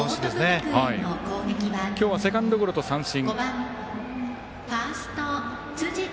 辻田今日はセカンドゴロと三振。